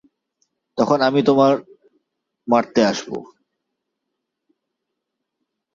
তখন আমি তোমার মারতে আসব।